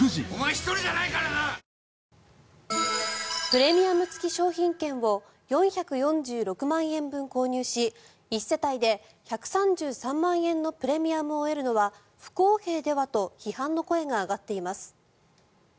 プレミアム付き商品券を４４６万円分購入し１世帯で１３３万円のプレミアムを得るのは不公平ではと批判の声が上がっています。